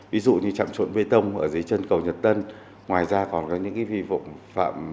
ví dụ như trạm trộn bê tông ở dưới chân cầu nhật tân ngoài ra còn có những vi phạm khác với pháp luật về đê điều